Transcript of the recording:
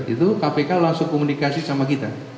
itu kpk langsung komunikasi sama kita